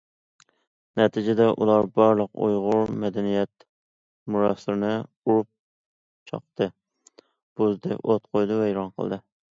نەتىجىدە ئۇلار بارلىق ئۇيغۇر مەدەنىيەت مىراسلىرىنى ئۇرۇپ چاقتى، بۇزدى، ئوت قويدى، ۋەيران قىلدى.